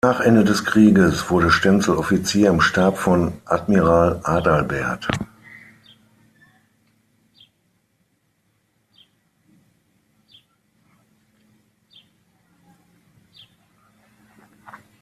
Nach Ende des Krieges wurde Stenzel Offizier im Stab von Admiral Adalbert.